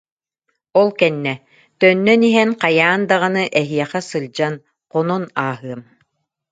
Ол кэннэ: «Төннөн иһэн хайаан даҕаны, эһиэхэ сылдьан, хонон ааһыам»